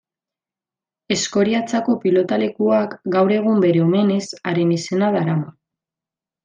Eskoriatzako pilotalekuak gaur egun, bere omenez, haren izena darama.